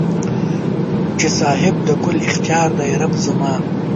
چې صاحب د کل اختیار دې رب زما